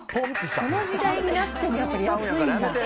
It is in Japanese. この時代になってもやっぱり安いんだ。